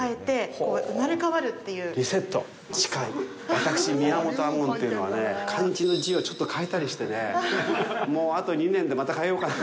私、宮本亞門というのはね、漢字の字をちょっと変えたりしてね、もうあと２年でまた変えようかなぁ。